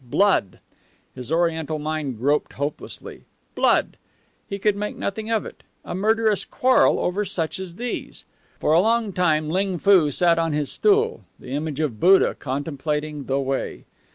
Blood! His Oriental mind groped hopelessly. Blood! He could make nothing of it. A murderous quarrel over such as these! For a long time Ling Foo sat on his stool, the image of Buddha contemplating the way.